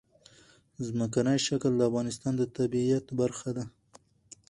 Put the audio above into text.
ځمکنی شکل د افغانستان د طبیعت برخه ده.